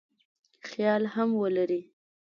خیال هم ولري.